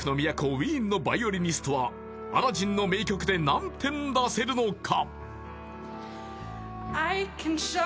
ウィーンのバイオリニストは「アラジン」の名曲で何点出せるのか？